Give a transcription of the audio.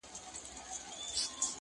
بل موږك په كونج كي ناست وو شخ برېتونه-